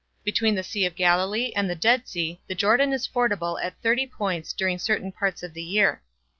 Between the Sea of Galilee and the Dead Sea the Jordan is fordable at thirty points during certain parts of the year.